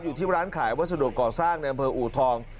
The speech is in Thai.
อยู่ที่ร้านขายวัสดุก่อสร้างในอำเภออูทอง